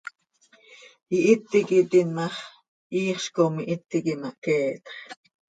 Ihít iiqui tiin ma x, iixz com ihít iiqui mahqueetx.